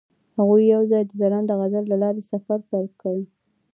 هغوی یوځای د ځلانده غزل له لارې سفر پیل کړ.